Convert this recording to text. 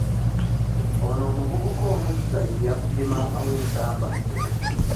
Ono omuvubuka omujjwa ye yakubye maamawe ensambaggere.